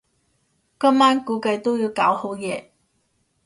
今晚估計都要搞好夜